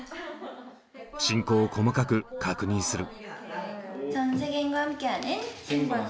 進行を細かく確認する。